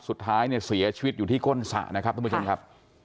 สุดท้ายเนี่ยเสียชีวิตอยู่ที่ก้นสระนะครับท่านผู้ชมครับ